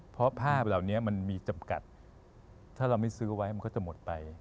เพราะภาพเหล่านี้มันมีจำกัดถ้าเราไม่ซื้อไว้มันก็จะหมดไป